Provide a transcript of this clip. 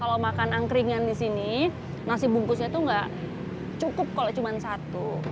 kalau makan angkringan di sini nasi bungkusnya itu nggak cukup kalau cuma satu